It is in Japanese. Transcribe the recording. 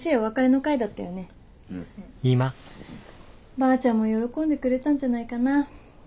ばあちゃんも喜んでくれたんじゃないかな。